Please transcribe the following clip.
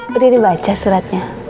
beri dibaca suratnya